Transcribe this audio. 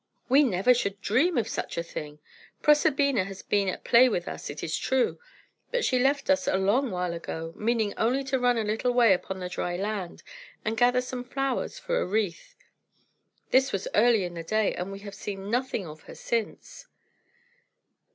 "We never should dream of such a thing. Proserpina has been at play with us, it is true; but she left us a long while ago, meaning only to run a little way upon the dry land and gather some flowers for a wreath. This was early in the day, and we have seen nothing of her since."